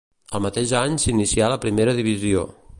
El mateix any s'inicià la Primera Divisió.